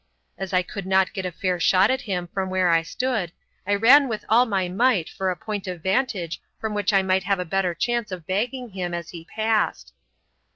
As I could not get a fair shot at him from where I stood, I ran with all my might for a point of vantage from which I might have a better chance of bagging him as he passed.